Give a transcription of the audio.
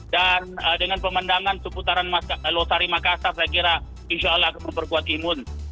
dan dengan pemandangan seputaran lothari makassar saya kira insya allah akan berkuat imun